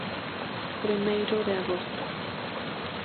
Primeiro de Agosto.